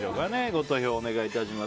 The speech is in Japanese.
ご投票をお願いします。